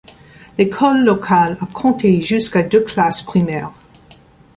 L'école locale a compté jusqu'à deux classes primaires.